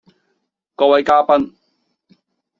各位嘉賓